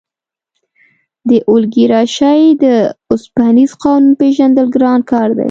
د اولیګارشۍ د اوسپنیز قانون پېژندل ګران کار دی.